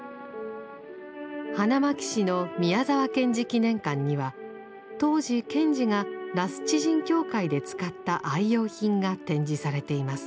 花巻市の宮沢賢治記念館には当時賢治が羅須地人協会で使った愛用品が展示されています。